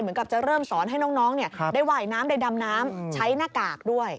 เหมือนกับจะเริ่มสอนให้น้องได้ว่ายน้ำได้ดำน้ำใช้หน้ากากด้วย